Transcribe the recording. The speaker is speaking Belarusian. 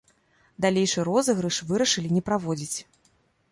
Далейшы розыгрыш вырашылі не праводзіць.